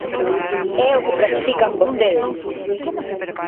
É o que practican vostedes.